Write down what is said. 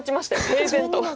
平然と。